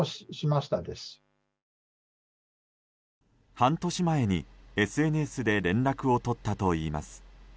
半年前にＳＮＳで連絡を取ったといいます。